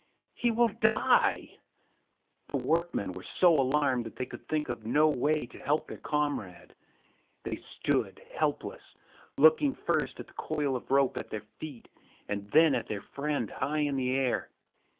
He will die!" The workmen were so alarmed that they could think of no way to help their comrade. They stood helpless, looking first at the coil of rope at their feet and then at their friend high in the air.